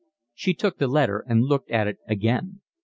She took the letter and looked at it again.